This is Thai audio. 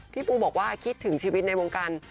ปูบอกว่าคิดถึงชีวิตในวงการ